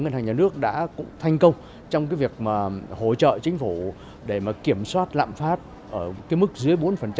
ngân hàng nhà nước đã thành công trong việc hỗ trợ chính phủ để kiểm soát lạm phát mức dưới bốn